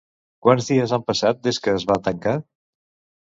Quants dies han passat des que es va tancar?